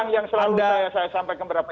ini yang selalu saya sampaikan ke beberapa s